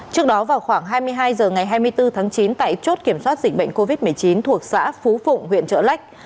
trước đó vào khoảng hai mươi hai h ngày hai mươi bốn tháng chín tại chốt kiểm soát dịch bệnh covid một mươi chín thuộc xã phú phụng huyện trợ lách